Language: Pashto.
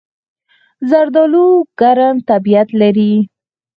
زردالو ګرم طبیعت لري.